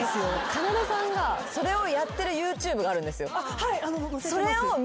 かなでさんがそれをやってるＹｏｕＴｕｂｅがあるんですよ。